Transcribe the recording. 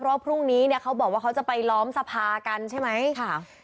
เพราะพรุ่งนี้เนี่ยเขาบอกว่าเขาจะไปล้อมสภากันใช่ไหมค่ะ